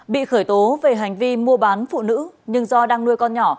bị khởi tố về hành vi mua bán phụ nữ nhưng do đang nuôi con nhỏ